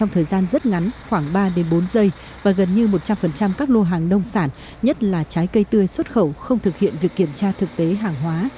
thời gian rất ngắn khoảng ba bốn giây và gần như một trăm linh các lô hàng nông sản nhất là trái cây tươi xuất khẩu không thực hiện việc kiểm tra thực tế hàng hóa